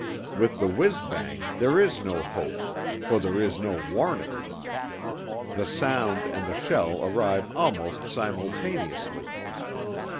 With the whizz bang there is no hope, for there is no warning; the sound and the shell arrive almost simultaneously.